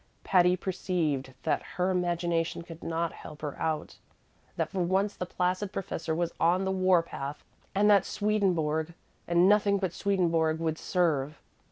Patty perceived that her imagination could not help her out, that for once the placid professor was on the war path, and that Swedenborg, and nothing but Swedenborg, would serve.